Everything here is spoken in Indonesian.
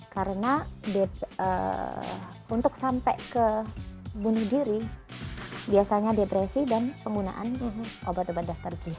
karena untuk sampai ke bunuh diri biasanya depresi dan penggunaan obat obat daftar g